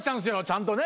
ちゃんとね